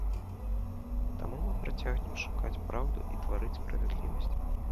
Таму мы працягнем шукаць праўду і тварыць справядлівасць.